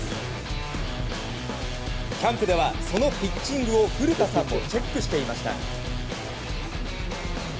キャンプでは、そのピッチングを古田さんもチェックしていました。